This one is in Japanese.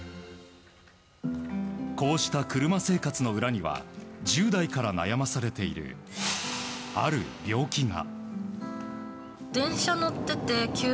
こうした車生活の裏には１０代から悩まされているある病気が。